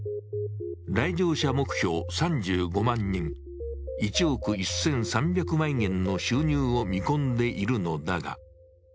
来場者目標３５万人、１億１３００万円の収入を見込んでいるのだが。